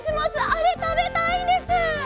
あれたべたいんです！